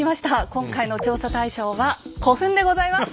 今回の調査対象は「古墳」でございます。